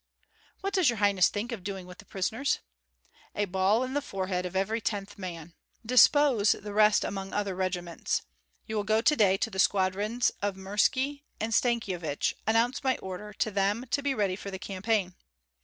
"What does your highness think of doing with the prisoners?" "A ball in the forehead of every tenth man. Dispose the rest among other regiments. You will go to day to the squadrons of Mirski and Stankyevich, announce my order, to them to be ready for the campaign.